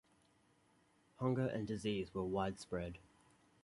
Hunger and disease were widespread.